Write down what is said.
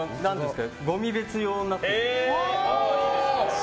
ごみ別用になっている。